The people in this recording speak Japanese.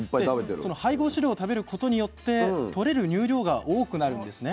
その配合飼料を食べることによってとれる乳量が多くなるんですね。